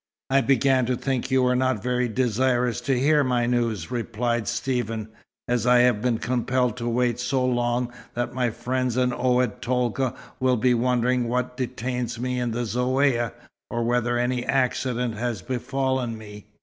"I began to think you were not very desirous to hear my news," replied Stephen, "as I have been compelled to wait so long that my friends in Oued Tolga will be wondering what detains me in the Zaouïa, or whether any accident has befallen me."